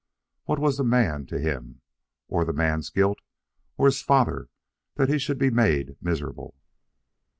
What was the man to him, or the man's guilt, or his father, that he should be made miserable?